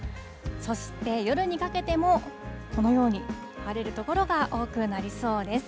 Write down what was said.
そして、夜にかけてもこのように晴れる所が多くなりそうです。